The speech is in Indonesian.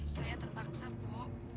saya terpaksa po